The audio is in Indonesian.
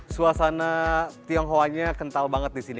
suasana tionghoanya kental banget di sini